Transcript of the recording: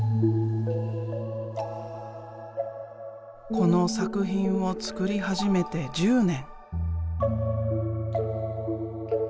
この作品を作り始めて１０年。